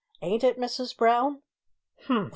"Ain't it, Mrs Brown?" "Humph!"